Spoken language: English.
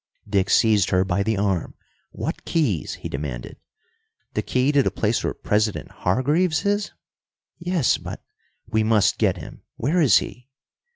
Dick seized her by the arm. "What keys?" he demanded. "The key to the place where President Hargreaves is?" "Yes, but " "We must get him. Where is he?"